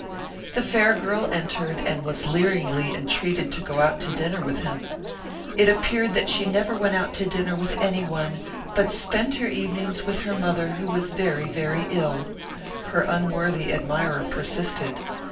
The fair girl entered and was leeringly entreated to go out to dinner with him. It appeared that she never went out to dinner with any one, but spent her evenings with her mother who was very, very ill. Her unworthy admirer persisted.